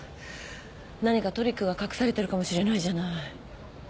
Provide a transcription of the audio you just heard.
何かトリックが隠されてるかもしれないじゃない。